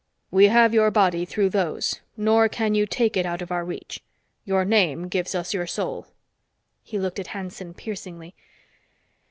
We have your body through those, nor can you take it out of our reach. Your name gives us your soul." He looked at Hanson piercingly.